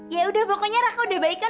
ya udah pokoknya raka udah baik kan